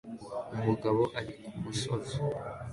Umugabo ari kumusozi